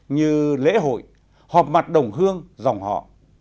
như lễ hội họp mặt đồng hương dòng họ